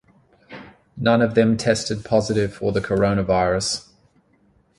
None of them tested positive for the coronavirus.